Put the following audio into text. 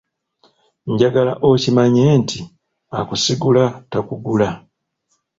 Njagala okimanye nti akusigula takugula.